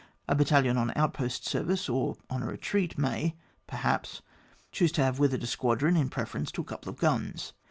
A battalivi on outpost service or on a retreat may, per haps, choose to have with it a squadron in preference to a couple of guns.